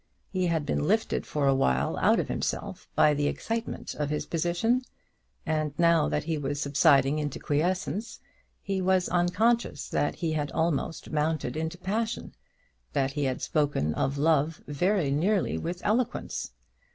He had been lifted for awhile out of himself by the excitement of his position, and now that he was subsiding into quiescence, he was unconscious that he had almost mounted into passion, that he had spoken of love very nearly with eloquence.